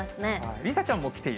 梨紗ちゃんもきている？